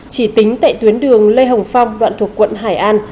chỉ tính tại tuyến đường lê hồng phong đoạn thuộc quận hải an